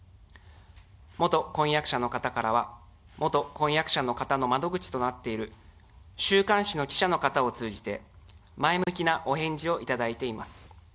元婚約者の方からは元婚約者の方の窓口となっている、週刊誌の記者の方を通じて、前向きなお返事を頂いております。